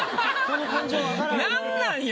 何なんよ